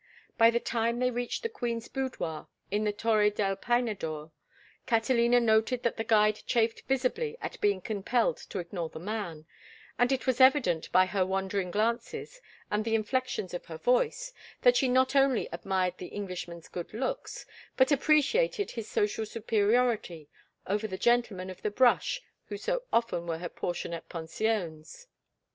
By the time they reached the queen's boudoir in the Torre del Peinador, Catalina noted that the guide chafed visibly at being compelled to ignore the man, and it was evident by her wandering glances and the inflections of her voice that she not only admired the Englishman's good looks, but appreciated his social superiority over the gentlemen of the brush who so often were her portion at pensions.